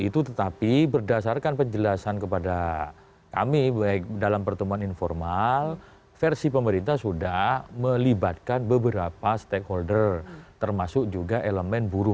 itu tetapi berdasarkan penjelasan kepada kami baik dalam pertemuan informal versi pemerintah sudah melibatkan beberapa stakeholder termasuk juga elemen buruh